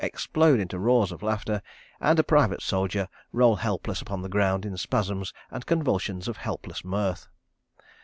explode into roars of laughter, and a private soldier roll helpless upon the ground in spasms and convulsions of helpless mirth.